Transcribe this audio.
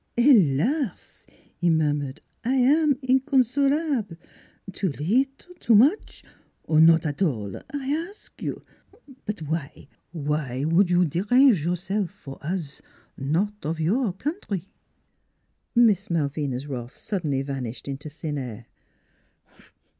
" Helas! " he murmured. " I am inconsolable! Too leetle? Too much? or not at all I ask you? But w'y? ... W'y s'ould you derange yourself for us not of your country?" Miss Malvina's wrath suddenly vanished into thin air.